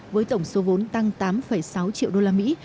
với tổng số vốn tăng tám sáu triệu đô la mỹ